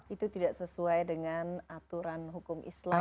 itu tidak sesuai dengan aturan hukum islam